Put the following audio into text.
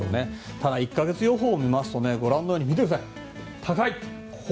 ただ、１か月予報を見ますと見てください、高い。